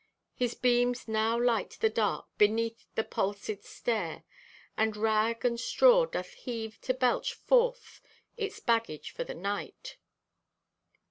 His beams now light the dark beneath the palsied stair, and rag and straw doth heave to belch forth its baggage for the night.